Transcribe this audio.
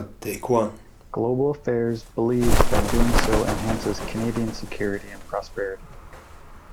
Global Affairs believes that doing so enhances Canadian security and prosperity.